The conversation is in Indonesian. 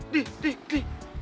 dih dih dih